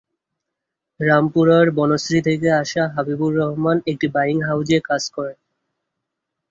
রামপুরার বনশ্রী থেকে আসা হাবিবুর রহমান একটি বায়িং হাউসে কাজ করেন।